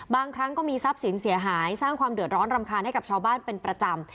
ครั้งก็มีทรัพย์สินเสียหายสร้างความเดือดร้อนรำคาญให้กับชาวบ้านเป็นประจำ